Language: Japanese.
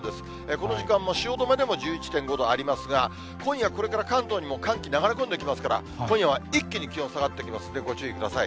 この時間も汐留でも１１．５度ありますが、今夜これから関東にも寒気、流れ込んできますから、今夜は一気に気温下がってきますんで、ご注意ください。